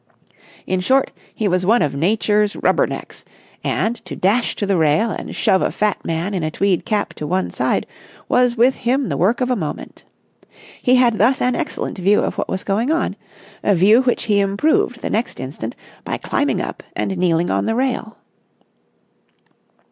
In short, he was one of Nature's rubbernecks, and to dash to the rail and shove a fat man in a tweed cap to one side was with him the work of a moment. He had thus an excellent view of what was going on—a view which he improved the next instant by climbing up and kneeling on the rail.